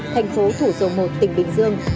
tp thủ dầu một tỉnh bình dương